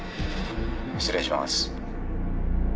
失礼します。